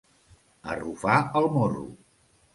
Arrufar el morro.